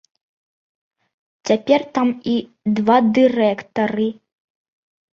Цяпер там і два дырэктары.